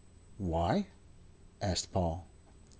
"Why?" asked Paul.